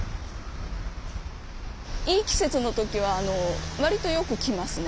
いい季節の時は割とよく来ますね。